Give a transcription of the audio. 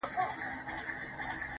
o زما سجده دي ستا د هيلو د جنت مخته وي.